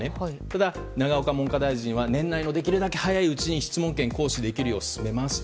ただ、永岡文科大臣は年内のできるだけ早いうちに質問権を行使できるよう進めます。